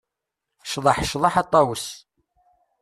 Cḍeḥ, cḍeḥ a ṭṭawes.